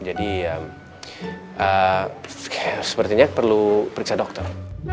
jadi kayak sepertinya perlu periksa dokter